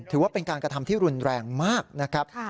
ถือว่าเป็นการกระทำที่รุนแรงมากนะครับ